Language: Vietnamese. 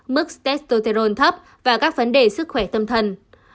mức testosterone thấp và các vấn đề sức khỏe tâm thần